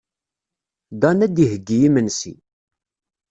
Dan ad d-iheyyi imensi.